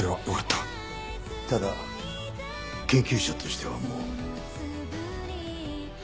ただ研究者としてはもう。